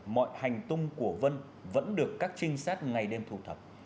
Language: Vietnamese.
mọi hành tung của vân vẫn được các trinh sát ngày đêm thu thập